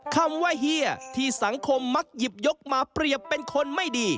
คำว่าเฮียที่สังคมมักหยิบยกมาเปรียบเป็นคนไม่ดี